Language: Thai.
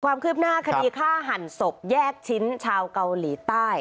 ความคืบหน้าคดีฆ่าหันศพแยกชิ้นชาวเกาหลีใต้